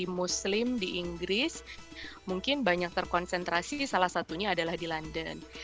di muslim di inggris mungkin banyak terkonsentrasi salah satunya adalah di london